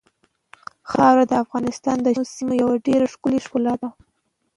خاوره د افغانستان د شنو سیمو یوه ډېره ښکلې ښکلا ده.